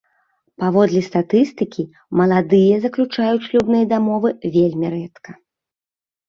Паводле статыстыкі, маладыя заключаюць шлюбныя дамовы вельмі рэдка.